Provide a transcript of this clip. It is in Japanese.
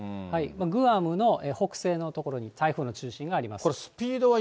グアムの北西の所に台風の中心があります。